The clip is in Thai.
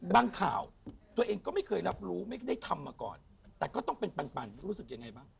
ข่าวตัวเองก็ไม่เคยรับรู้ไม่ได้ทำมาก่อนแต่ก็ต้องเป็นปันรู้สึกยังไงบ้าง